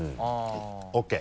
ＯＫ。